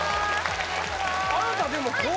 お願いします